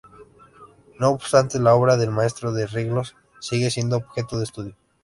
No obstante, la obra del maestro de Riglos sigue siendo objeto de estudio.